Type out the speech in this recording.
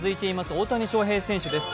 大谷翔平選手です。